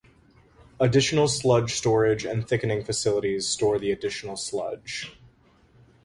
Additional sludge storage and thickening facilities store the additional sludge.